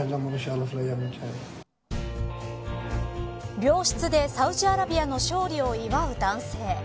病室でサウジアラビアの勝利を祝う男性。